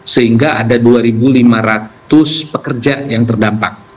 sehingga ada dua lima ratus pekerja yang terdampak